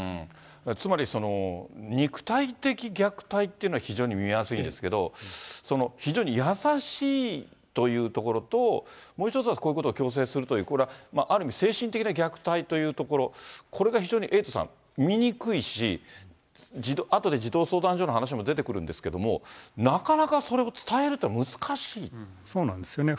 つまり、肉体的虐待って非常に見分けやすいんですけど、非常に優しいというところと、１つはこういうことを強制するということ、これはある意味精神的な虐待というところ、これが非常にエイトさん、みにくいし、あとで児童相談所の話も出てくるんですけれども、なかなかそれをそうなんですよね。